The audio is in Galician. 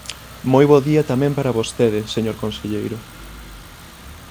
Moi bo día tamén para vostede, señor conselleiro.